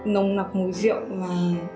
nồng nặp mùi rượu mà